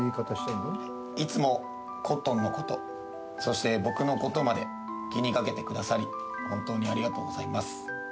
いつもコットンのこと、そして僕のことまで気にかけてくださり、本当にありがとうございます。